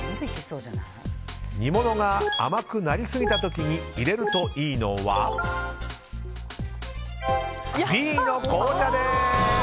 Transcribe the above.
煮物が甘くなりすぎた時に入れるといいのはＢの紅茶です！